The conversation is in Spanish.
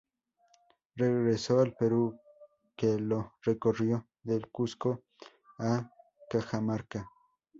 Regresó al Perú, que lo recorrió del Cuzco a Cajamarca.